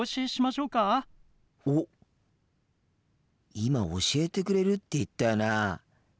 今教えてくれるって言ったよな。